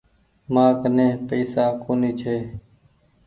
مآ ڪني پئيسا ڪونيٚ ڇي۔